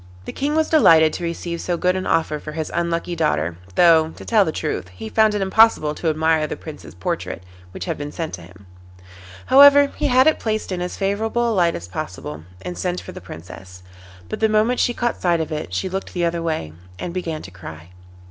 The King was delighted to receive so good an offer for his unlucky daughter, though, to tell the truth, he found it impossible to admire the Prince's portrait which had been sent to him. However, he had it placed in as favourable a light as possible, and sent for the Princess, but the moment she caught sight of it she looked the other way and began to cry.